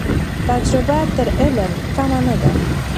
تجربه تر علم کمه نه ده.